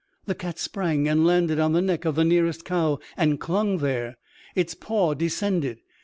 The cat sprang and landed on the neck of the nearest cow and clung there. Its paw descended.